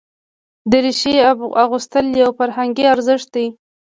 دریشي اغوستل یو فرهنګي ارزښت دی.